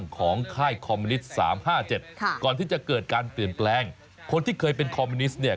ก่อนที่จะเกิดการเปลี่ยนแปลงคนที่เคยเป็นคอมมูนิสต์เนี่ย